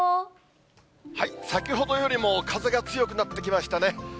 先ほどよりも風が強くなってきましたね。